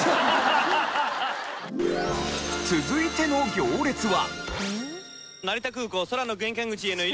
続いての行列は。